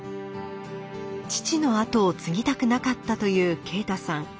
父の跡を継ぎたくなかったという啓太さん。